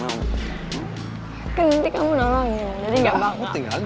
aku tinggal lagi makanya aku terangis